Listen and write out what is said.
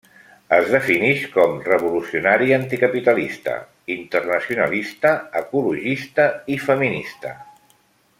Es definix com revolucionària, anticapitalista, internacionalista, ecologista i feminista.